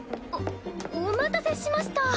おお待たせしました。